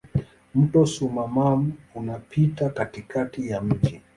Mto Soummam unapita katikati ya mji.